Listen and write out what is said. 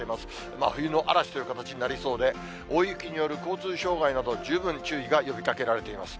真冬の嵐という形になりそうで、大雪による交通障害など、十分な注意が呼びかけられています。